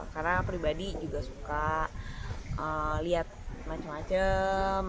karena pribadi juga suka lihat macam macam